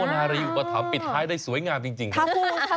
นารีอุปถัมภปิดท้ายได้สวยงามจริงครับ